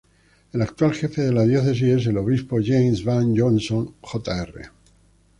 El actual jefe de la Diócesis es el Obispo James Vann Johnston, Jr..